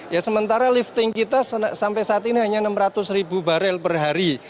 ya sementara lifting kita sampai saat ini hanya enam ratus ribu barel per hari